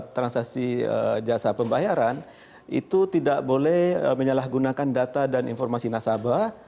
transaksi jasa pembayaran itu tidak boleh menyalahgunakan data dan informasi nasabah